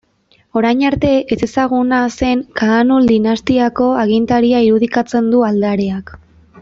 Orain arte ezezaguna zen Kaanul dinastiako agintaria irudikatzen du aldareak.